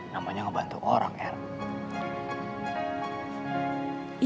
namanya ngebantu orang eros